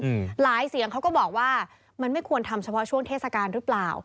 อืมหลายเสียงเขาก็บอกว่ามันไม่ควรทำเฉพาะช่วงเทศกาลหรือเปล่า